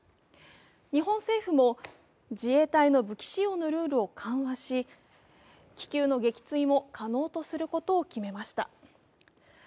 日本政府も自衛隊の武器使用のルールを緩和し気球の撃墜も可能とすることを決めました。